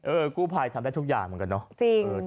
กู้ภัยทำได้ทุกอย่างเหมือนกันเนาะจริง